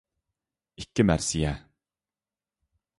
ئىككى مەرسىيە